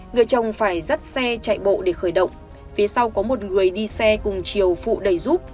người chồng phải dắt xe chạy bộ để khởi động phía sau có một người đi xe cùng chiều phụ đầy giúp